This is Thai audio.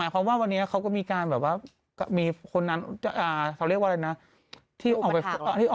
เพราะว่ามันเห็นแค่ด้านข้างใช่ไหมคลิปเธอ